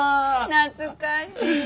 懐かしい。